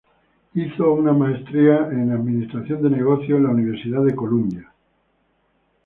Hizo una Maestría en Administración de Negocios en la Universidad de Columbia.